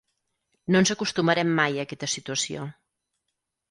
No ens acostumarem mai a aquesta situació.